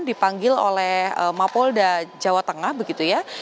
dipanggil oleh mapolda jawa tengah begitu ya